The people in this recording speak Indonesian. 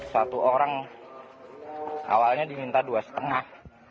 satu orang awalnya diminta dua lima